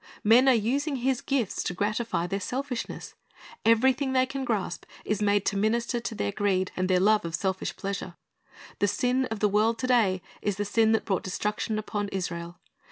Men are using His gifts to gratify their selfishness. Everything they can grasp is made to minister to their greed and their love of selfish pleasure. The sin of the world to day is the sin that brought destruction upon Israel.